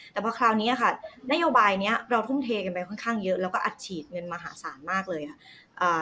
แต่พอคราวนี้ค่ะนโยบายนี้เราทุ่มเทกันไปค่อนข้างเยอะแล้วก็อัดฉีดเงินมหาศาลมากเลยค่ะ